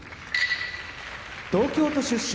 東京都出身